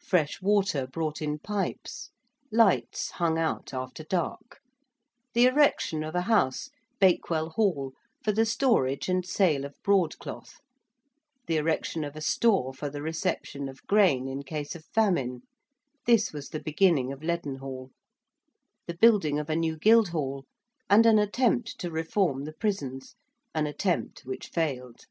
Fresh water brought in pipes: lights hung out after dark: the erection of a house Bakewell Hall for the storage and sale of broadcloth: the erection of a store for the reception of grain, in case of famine this was the beginning of Leadenhall the building of a new Guildhall: and an attempt to reform the prisons an attempt which failed.